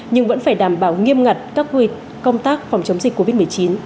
nhưng vẫn phải đảm bảo nghiêm ngặt các công tác phòng chống dịch covid một mươi chín